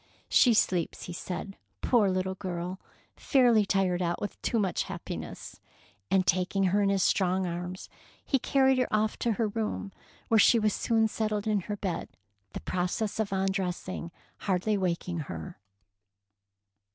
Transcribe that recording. " She sleeps," he said, '' poor little girl, fairly tired out with too much happiness"; and taking her in his strong arms, he carried her off to her room, where she was soon settled in her bed, the process of undressing hardly waking her.